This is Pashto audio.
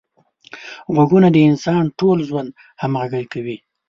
غوږونه د انسان ټول ژوند همغږي کوي